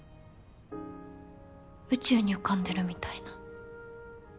宇宙に浮かんでるみたいな。